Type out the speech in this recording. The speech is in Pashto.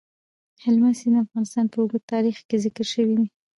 هلمند سیند د افغانستان په اوږده تاریخ کې ذکر شوی دی.